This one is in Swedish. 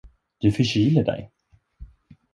Du förkyler dig.